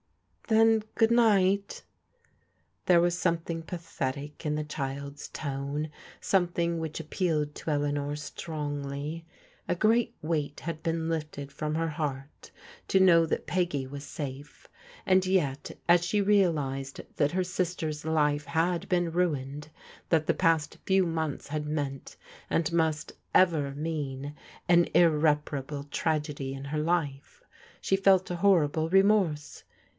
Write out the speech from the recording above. " Then • good night' " There was somediing pathetic in the child's tone, some thing which appealed to Eleanor strongly.* A great weight had been lift^ from her heart to know that Baflvy was safe, and 7eX, as ^<^ T^a&xn^^^os&ViKx ^sistec^s PEGGY PLEADS WITH ELEANOR 369 life had been ruined, that the past few months had meant, and must ever mean, an irreparable tragedy in her life, she felt a horrible remorse.